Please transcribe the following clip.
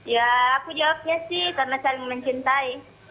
ya aku jawabnya sih karena saling mencintai